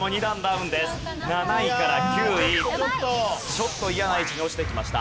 ちょっと嫌な位置に落ちてきました。